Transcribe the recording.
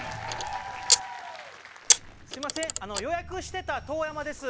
すいません予約してたトオヤマです